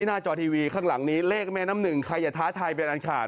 หน้าจอทีวีข้างหลังนี้เลขแม่น้ำหนึ่งใครอย่าท้าทายเป็นอันขาด